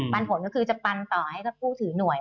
ปันผลก็คือจะปันต่อให้ถ้าผู้ถือหน่วย